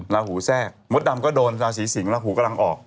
ลาหูแสกฝดดำก็โดนลาสีสิงที่กำลังออก